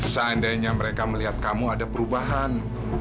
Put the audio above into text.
seandainya mereka melihat kamu ada perubahan